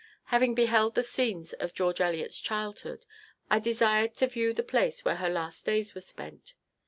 Having beheld the scenes of George Eliot's childhood, I desired to view the place where her last days were spent.